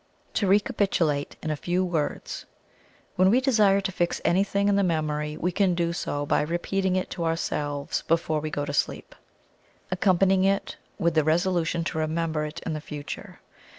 To recapitulate in a few words. When we desire to fix anything in the memory we can do so by repeating it to ourselves before we go to sleep, accompanying it with the resolution to remember it in future.